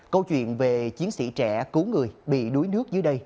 câu chuyện về chiến sĩ trẻ cứu người bị đuối nước dưới đây